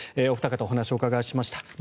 お二方にお話を伺いました。